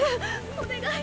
お願い